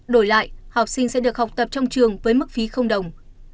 đổi lại học sinh sẽ được học tập trong trường với mức phí đồng